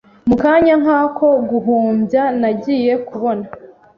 mu kanya nk’ako guhumbya nagiye kubona